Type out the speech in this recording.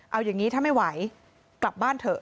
เอาอย่างนี้ถ้าไม่ไหวกลับบ้านเถอะ